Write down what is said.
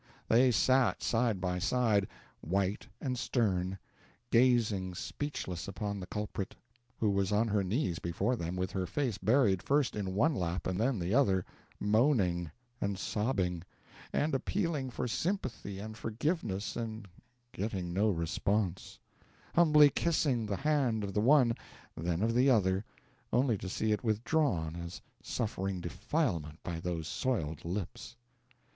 They sat side by side, white and stern, gazing speechless upon the culprit, who was on her knees before them with her face buried first in one lap and then the other, moaning and sobbing, and appealing for sympathy and forgiveness and getting no response, humbly kissing the hand of the one, then of the other, only to see it withdrawn as suffering defilement by those soiled lips.